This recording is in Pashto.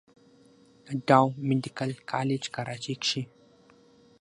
د ډاؤ ميديکل کالج کراچۍ کښې